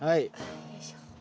よいしょ。